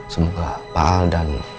semoga pak al dan